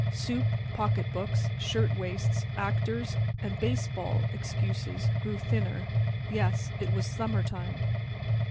Soup, pocketbooks, shirt waists, actors and baseball excuses grew thinner. Yes, it was summertime.